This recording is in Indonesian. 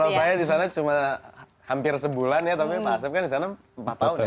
walau saya disana cuma hampir sebulan ya tapi pak asep kan disana empat tahun ya pak